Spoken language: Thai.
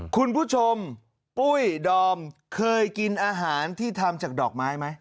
คุณผู้ชมปุ้ยดอมเคยกินอาหารที่ทำจากดอกไม้ไหม